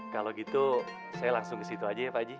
kalau gitu saya langsung ke situ aja ya pak haji